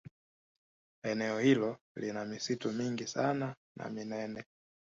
Eneo hilo lina misitu mingi sana na minene